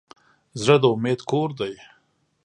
زړه د امید کور دی.